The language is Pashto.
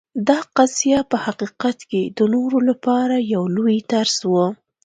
دا قضیه په حقیقت کې د نورو لپاره یو لوی درس و.